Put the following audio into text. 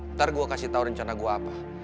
ntar gue kasih tau rencana gue apa